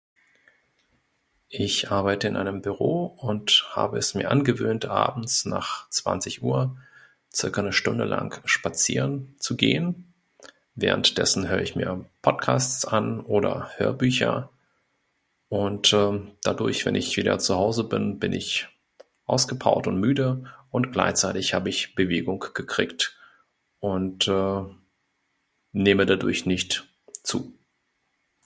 Ich arbeite in einem Büro und habe es mir angewöhnt abends nach zwanzig Uhr zirka ne Stunde lang spazieren zu gehen, währenddessen hör ich mir Podcasts an oder Hörbücher und ehm dadurch wenn ich wieder zuhause bin, bin ich ausgepowert und müde und gleichzeitig hab ich Bewegung gekriegt und eh nehme dadurch nicht zu.